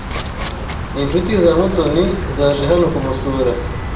Ni inshuti za Mutoni zaje hano kumusura.